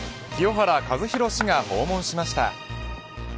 清原和博氏が訪問しました。